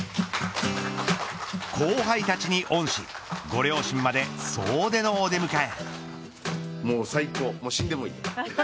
後輩たちに恩師、ご両親まで総出のお出迎え。